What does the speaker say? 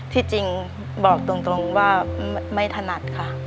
ที่จริงบอกตรงว่าไม่ถนัดค่ะ